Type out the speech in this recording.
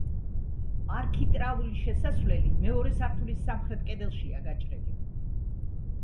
არქიტრავული შესასვლელი მეორე სართულის სამხრეთ კედელშია გაჭრილი.